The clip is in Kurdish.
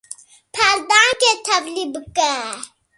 peldankê tevlî bike.